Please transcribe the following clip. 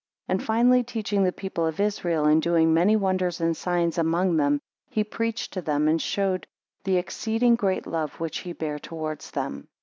11 And finally, teaching the people of Israel, and doing many wonders and signs among them, he preached to them, and shewed the exceeding great love which he bare towards them.